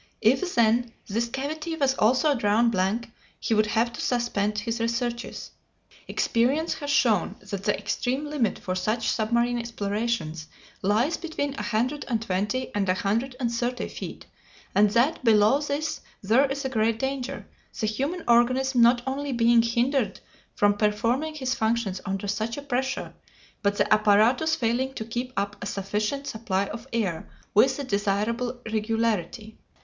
If, then, this cavity was also drawn blank, he would have to suspend his researches. Experience has shown that the extreme limit for such submarine explorations lies between a hundred and twenty and a hundred and thirty feet, and that below this there is great danger, the human organism not only being hindered from performing his functions under such a pressure, but the apparatus failing to keep up a sufficient supply of air with the desirable regularity.